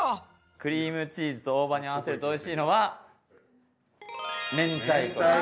クリームチーズと大葉に合わせるとおいしいのはめんたいこなんですね。